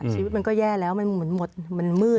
ชีวิตมันก็แย่แล้วมันหมดมันมืด